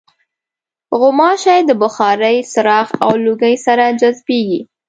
غوماشې د بخارۍ، څراغ او لوګیو سره جذبېږي.